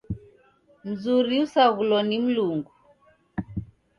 Mzuri usaghulo ni Mlungu.